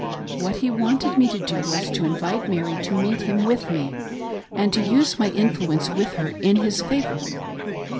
What he wanted me to do was to invite Mary to meet him with me, and to use my influence with her in his favor.